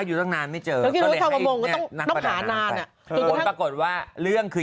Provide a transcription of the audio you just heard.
อยู่ตั้งนานไม่เจอต้องหานานอ่ะโดยปรากฏว่าเรื่องคือ